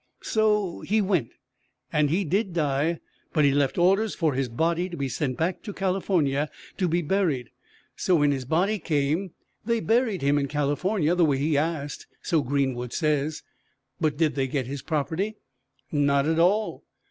So he went, and he did die; but he left orders for his body to be sent back to California to be buried. So when his body came they buried him in California, the way he asked so Greenwood says. "But did they get his property? Not at all!